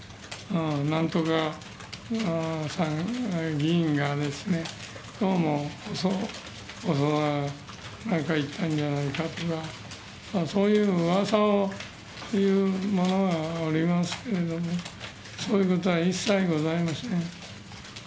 なんとか議員がですね、どうも細田がなんか言ったんじゃないかとか、そういううわさを言う者がおりますけれども、そういうことは一切ございません。